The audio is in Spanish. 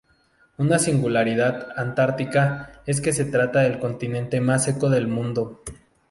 Una singularidad antártica es que se trata del continente más seco del mundo.